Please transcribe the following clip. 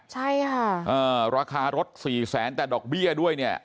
ใช่ค่ะราคารถสี่แสนแต่ดอกเบี้ยด้วยเนี่ย